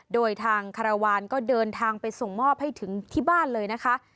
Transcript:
โดยทางคารวาลก็เดินทางไปส่งมอบให้ถึงที่บ้านเลยนะคะ